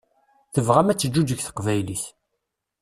Tebɣam ad teǧǧuǧeg teqbaylit.